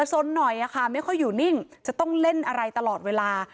สนหน่อยค่ะไม่ค่อยอยู่นิ่งจะต้องเล่นอะไรตลอดเวลา